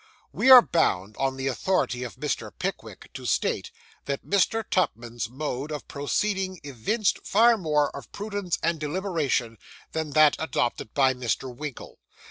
We are bound, on the authority of Mr. Pickwick, to state, that Mr. Tupman's mode of proceeding evinced far more of prudence and deliberation, than that adopted by Mr. Winkle.